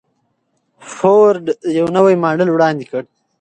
فورډ یو نوی ماډل وړاندې کړ.